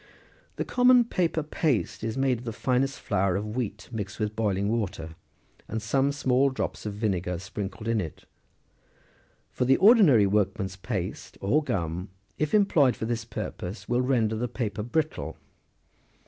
The common paper paste is made of the finest flour of wheat mixed with boiling water, and some small drops of vinegar sprinkled in it : for the ordinary workman's paste, or gum, if employed for this purpose, will render the paper brittle.